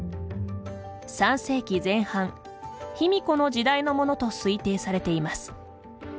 ３世紀前半卑弥呼の時代のものと推定されています。